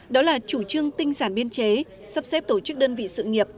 đó là chủ trương tinh giản biên chế sắp xếp tổ chức đơn vị sự nghiệp